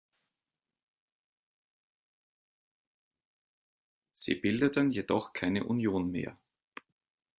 Sie bildeten jedoch keine Union mehr.